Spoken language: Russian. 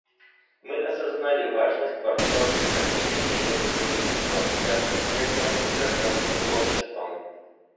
Мы осознали важность партнерских отношений между правительством, частным сектором и гражданским обществом.